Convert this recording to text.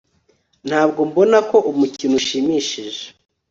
Ntabwo mbona ko umukino ushimishije